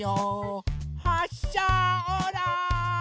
はっしゃオーライ！